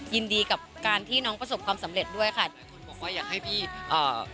ยินดีกับการที่น้องประสบความสำเร็จด้วยค่ะหลายคนบอกว่าอยากให้พี่เอ่อ